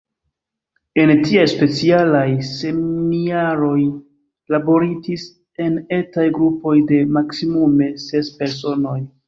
En tiaj specialaj semniaroj laboritis en etaj grupoj de maksimume ses personoj.